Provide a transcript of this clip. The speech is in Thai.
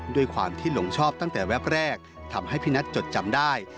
ด้วยความที่หลงชอบตั้งแต่แวบแรกทำให้พี่นัทจดจำได้